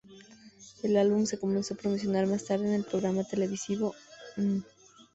El álbum se comenzó a promocionar más tarde en el programa televisivo "M!